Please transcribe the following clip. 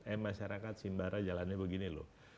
eh masyarakat simbara jalannya begini loh